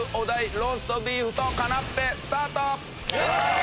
ローストビーフとカナッペスタート。